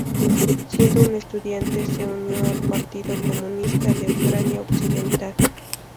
Siendo un estudiante se unió al Partido Comunista de Ucrania Occidental.